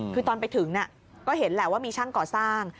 คือตอนไปถึงก็เห็นแหละว่ามีช่างก่อสร้าง